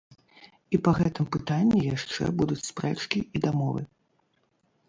І па гэтым пытанні яшчэ будуць спрэчкі і дамовы.